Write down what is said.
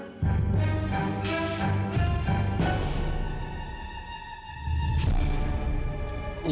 ya udah udah udah jangan bertengkar